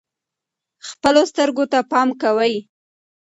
خپلو سترګو ته پام کوئ.